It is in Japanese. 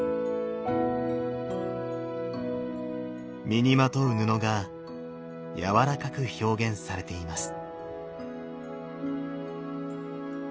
身にまとう布が柔らかく表現されています。